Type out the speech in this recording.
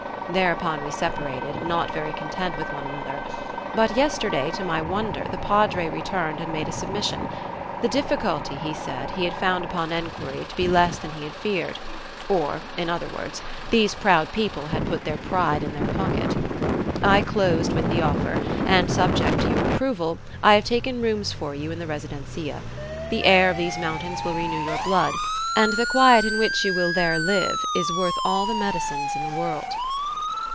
There upon we separated, not very content with one another; but yesterday, to my wonder, the Padre returned and made a submission: the difficulty, he said, he had found upon enquiry to be less than he had feared; or, in other words, these proud people had put their pride in their pocket. I closed with the offer; and, subject to your approval, I have taken rooms for you in the residencia. The air of these mountains will renew your blood; and the quiet in which you will there live is worth all the medicines in the world."